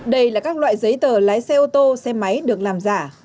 đây là các loại giấy tờ lái xe ô tô xe máy được làm giả